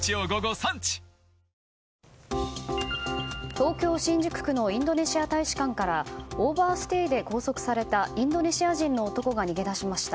東京・新宿区のインドネシア大使館からオーバーステイで拘束されたインドネシア人の男が逃げ出しました。